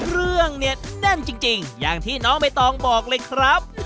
เรื่องเนี่ยแน่นจริงอย่างที่น้องใบตองบอกเลยครับ